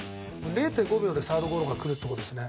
０．５秒でサードゴロがくるって事ですね。